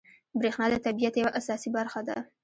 بریښنا د طبیعت یوه اساسي برخه ده